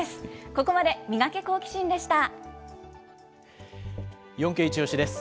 ここまでミガケ、好奇心！でした。